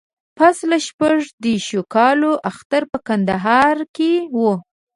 پسله شپږ دیرشو کالو اختر په کندهار کې و.